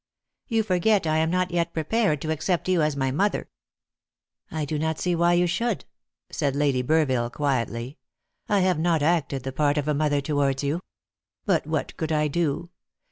"You forget I am not yet prepared to accept you as my mother." "I do not see why you should," said Lady Burville quietly. "I have not acted the part of a mother towards you. But what could I do?